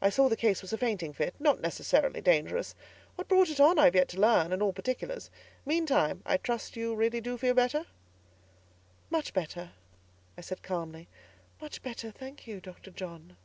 I saw the case was a fainting fit, not necessarily dangerous. What brought it on, I have yet to learn, and all particulars; meantime, I trust you really do feel better?" "Much better," I said calmly. "Much better, I thank you, Dr. John."